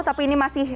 tapi ini masih